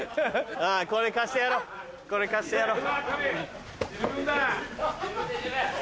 これ貸してやろうこれ貸してやろう。